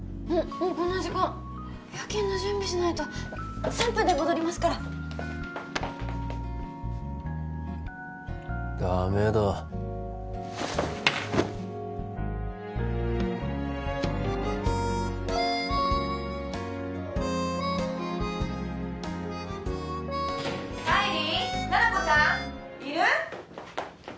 もうこんな時間夜勤の準備しないと３分で戻りますからダメだ浬七子ちゃんいる？